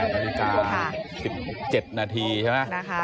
นาฬิกา๑๗นาทีใช่ไหม